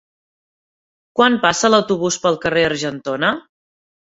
Quan passa l'autobús pel carrer Argentona?